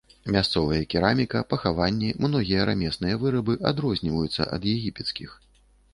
Мясцовыя кераміка, пахаванні, многія рамесныя вырабы адрозніваюцца ад егіпецкіх.